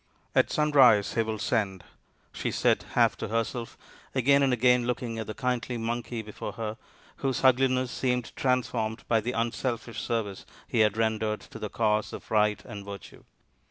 " At sunrise he will send," she said half to her self, again and again looking at the kindly Monkey before her whose ugliness seemed transformed by the unselfish service he had rendered to the cause of Right and Virtue.